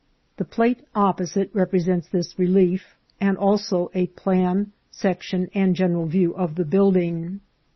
The plate opposite represents this relief, and also a plan, section, and general view of the building.